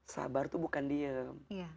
sabar itu bukan diam